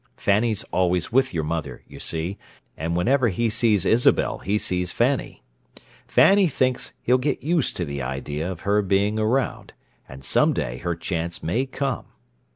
Fanny's always with your mother, you see; and whenever he sees Isabel he sees Fanny. Fanny thinks he'll get used to the idea of her being around, and some day her chance may come!